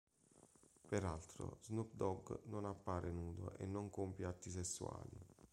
Peraltro, Snoop Dogg non appare nudo e non compie atti sessuali.